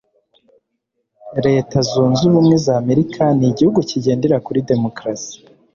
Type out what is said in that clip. leta zunze ubumwe z'amerika ni igihugu kigendera kuri demokarasi